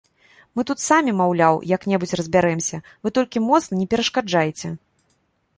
Мы тут самі, маўляў, як-небудзь разбярэмся, вы толькі моцна не перашкаджайце.